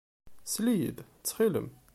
Sel-iyi-d, ttxil-m.